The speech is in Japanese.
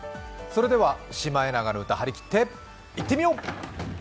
それでは「シマエナガの歌」はりきっていってみよう！